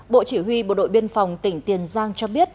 bộ chỉ huy bộ đội biên phòng tỉnh tiền giang cho biết